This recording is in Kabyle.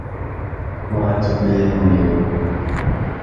Bɣan-tt akk leǧnun-iw.